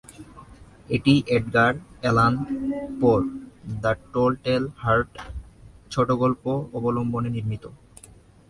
এটি Edgar Allan পোর "the tell tale heart" ছোটগল্প অবলম্বনে নির্মিত।